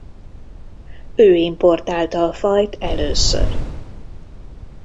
Ő importálta a fajt először.